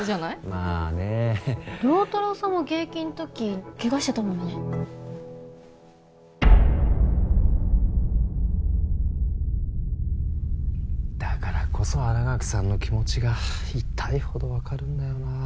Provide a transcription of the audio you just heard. まあね亮太郎さんも現役の時ケガしてたもんねだからこそ新垣さんの気持ちが痛いほど分かるんだよな